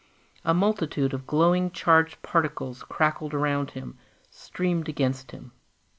A multitude of glowing, charged particles crackled around him, streamed against him.